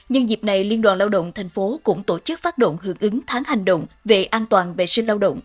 nhân dịp này liên đoàn lao động tp cũng tổ chức phát động hưởng ứng tháng hành động về an toàn vệ sinh lao động